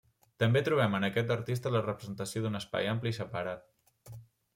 També trobem en aquest artista la representació d'un espai ampli i separat.